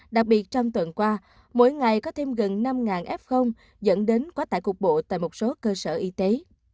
đặc biệt trong tuần qua mỗi ngày có thêm gần năm f dẫn đến quá tải cục bộ tại một số cơ sở y tế